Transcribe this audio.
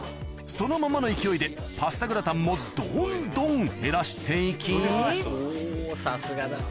そのままの勢いでパスタグラタンもどんどん減らしていきおさすがだ。